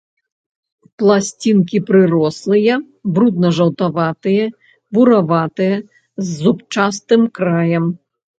Пласцінкі прырослыя, брудна-жаўтаватыя, бураватыя, з зубчастым краем.